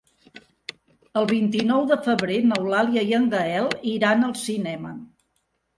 El vint-i-nou de febrer n'Eulàlia i en Gaël iran al cinema.